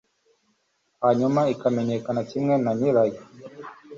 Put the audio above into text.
hanyuma ikamenyekana kimwe na nyirayo